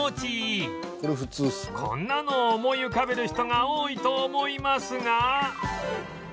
こんなのを思い浮かべる人が多いと思いますが